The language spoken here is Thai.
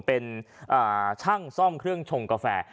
เป็นช่างซ่อมเครื่องชงกาแฟ